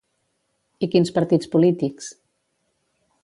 I quins partits polítics?